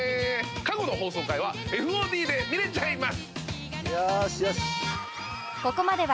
過去の放送回はＦＯＤで見れちゃいます。